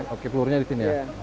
oke telurnya di sini ya